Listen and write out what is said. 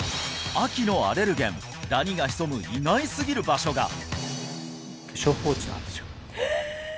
秋のアレルゲンダニが潜む意外すぎる場所が！え！